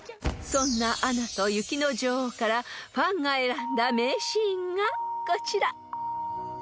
［そんな『アナと雪の女王』からファンが選んだ名シーンがこちら］